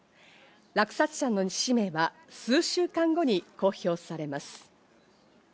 落札者の氏名は数週間後に公表されます。